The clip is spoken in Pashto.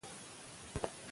خوږیاڼۍ.